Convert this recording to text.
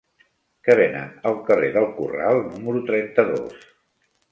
Què venen al carrer del Corral número trenta-dos?